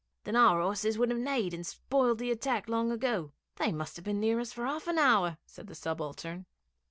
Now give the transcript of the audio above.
'Then our horses would have neighed and spoilt the attack long ago. They must have been near us for half an hour,' said the subaltern.